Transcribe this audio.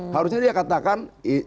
harusnya dia katakan